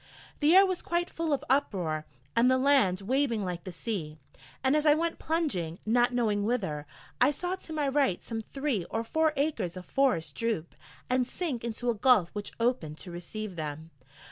The air was quite full of uproar, and the land waving like the sea: and as I went plunging, not knowing whither, I saw to my right some three or four acres of forest droop and sink into a gulf which opened to receive them.